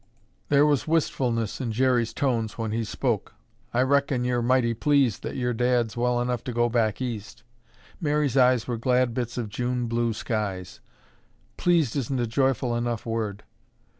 There was wistfulness in Jerry's tones when he spoke. "I reckon you're mighty pleased that your dad's well enough to go back East." Mary's eyes were glad bits of June blue skies. "Pleased isn't a joyful enough word."